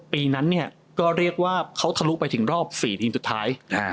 ที่เรียกว่าเขาทะลุไปถึงรอบ๔สุดท้าย